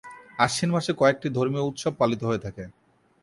আশ্বিন মাসে কয়েকটি ধর্মীয় উৎসব পালিত হয়ে থাকে।